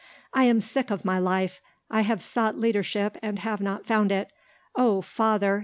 "I am sick of my life. I have sought leadership and have not found it. Oh Father!